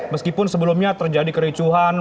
meskipun sebelumnya terjadi kericuhan